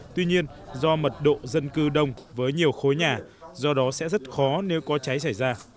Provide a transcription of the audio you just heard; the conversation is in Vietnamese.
tuy nhiên do mật độ dân cư đông với nhiều khối nhà do đó sẽ rất khó nếu có cháy xảy ra